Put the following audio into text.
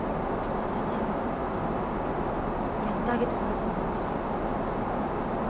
私はやってあげてもいいと思ってるよ。